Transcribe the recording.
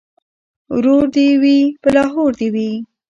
ـ ورور دې وي په لاهور دې وي.